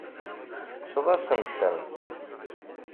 Tekkseḍ-asent-ten.